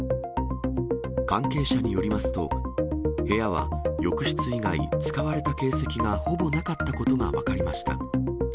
関係者によりますと、部屋は浴室以外、使われた形跡がほぼなかったことが分かりました。